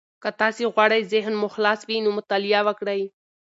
که تاسي غواړئ ذهن مو خلاص وي، نو مطالعه وکړئ.